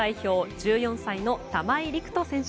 １４歳の玉井陸斗選手。